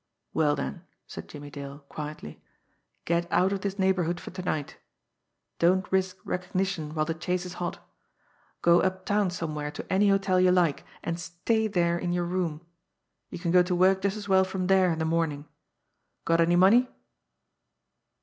"Well then," said Jimmie Dale quietly, "get out of this neighbourhood for the night. Don't risk recognition while the chase is hot. Go uptown somewhere to any hotel you like, and stay there in your room. You can go to work just as well from there in the morning. Got any money?"